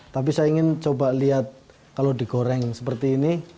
tapi saya ingin coba lihat kalau digoreng seperti ini